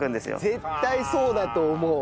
絶対そうだと思う。